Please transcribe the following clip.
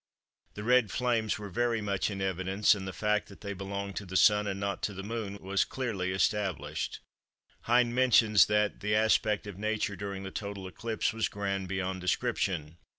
The Red Flames were very much in evidence, and the fact that they belonged to the Sun and not to the Moon was clearly established. Hind mentions that "the aspect of Nature during the total eclipse was grand beyond description."